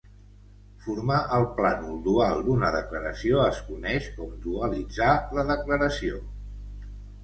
Formar el plànol dual d'una declaració es coneix com "dualitzar" la declaració.